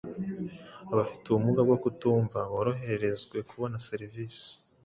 abafite ubumuga bwo kutumva boroherezwe kubona serivisi